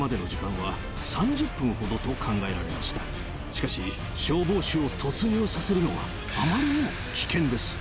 しかし消防士を突入させるのはあまりにも危険です。